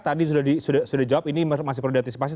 tadi sudah dijawab ini masih perlu diantisipasi